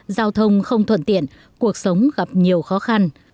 giao thông không thuận tiện cuộc sống gặp nhiều khó khăn